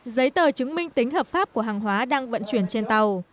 giấy tờ chứng minh tính hợp pháp của hàng hóa đang vận chuyển trên tàu